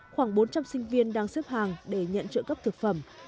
khoảng bốn trăm linh sinh viên đang xếp hàng để nhận trợ cấp thực phẩm